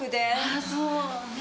あぁそう。